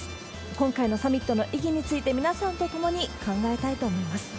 今回のサミットの意義について、皆さんと共に考えたいと思います。